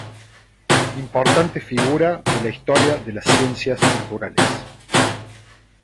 Importante figura de la historia de la Ciencias naturales.